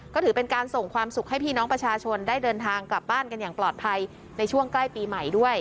ก็ถือเป็นการส่งความสุขให้พี่น้องประชาชนได้เดินทางกลับบ้านกันอย่างปลอดภัยในช่วงใกล้ปีใหม่ด้วย